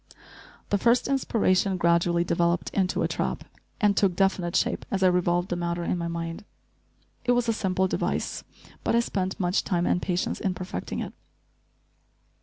The first inspiration gradually developed into a trap, and took definite shape as I revolved the matter in my mind. It was a simple device, but I spent much time and patience in perfecting it.